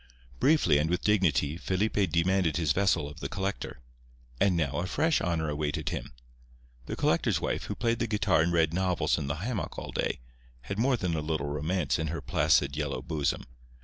Briefly and with dignity Felipe demanded his vessel of the collector. And now a fresh honour awaited him. The collector's wife, who played the guitar and read novels in the hammock all day, had more than a little romance in her placid, yellow bosom.